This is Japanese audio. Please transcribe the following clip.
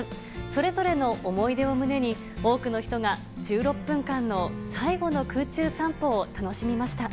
それぞれの思い出を胸に、多くの人が１６分間の最後の空中散歩を楽しみました。